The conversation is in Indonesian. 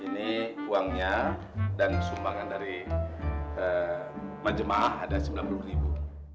ini uangnya dan sumbangan dari majemaah ada sembilan puluh ribu